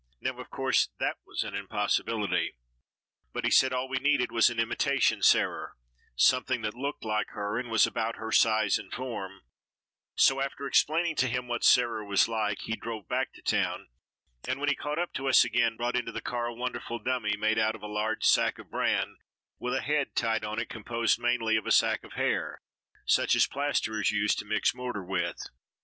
Now, of course, that was an impossibility, but he said all we needed was an imitation "Sarer," something that looked like her and was about her size and form, so after explaining to him what "Sarer" was like, he drove back to town, and when he caught up to us again, brought into the car a wonderful dummy made out of a large sack of bran with a head tied on it composed mainly of a sack of hair, such as plasterers use to mix mortar with.